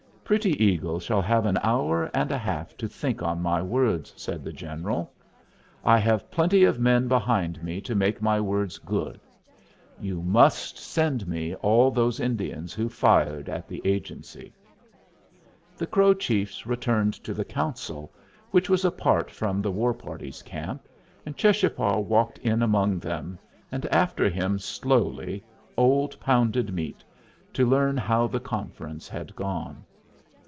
"Pretty Eagle shall have an hour and a half to think on my words," said the general. "I have plenty of men behind me to make my words good. You must send me all those Indians who fired at the agency." The Crow chiefs returned to the council, which was apart from the war party's camp; and Cheschapah walked in among them, and after him, slowly, old Pounded Meat, to learn how the conference had gone.